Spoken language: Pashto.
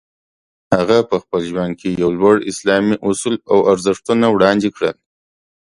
هغه په خپل ژوند کې یو لوړ اسلامي اصول او ارزښتونه وړاندې کړل.